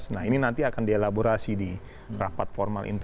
nah ini nanti akan dielaborasi di rapat format